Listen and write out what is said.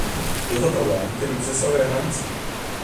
Je to problém, který přesahuje hranice.